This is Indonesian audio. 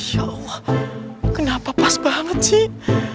ya allah kenapa pas banget sih